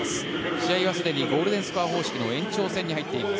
試合はすでにゴールデンスコア方式の延長戦に入っています。